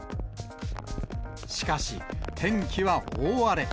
しかし、天気は大荒れ。